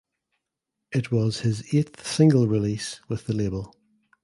It was his eighth single release with the label.